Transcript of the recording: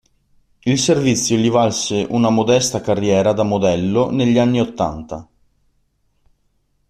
Il servizio gli valse una modesta carriera da modello negli anni ottanta.